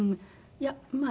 いやまあ」